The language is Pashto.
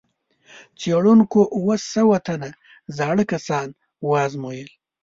څېړونکو اووه سوه تنه زاړه کسان وازمویل.